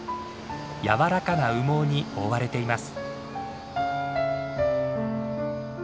柔らかな羽毛に覆われています。